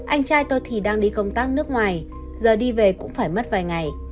anh trai tôi thì đang đi công tác nước ngoài giờ đi về cũng phải mất vài ngày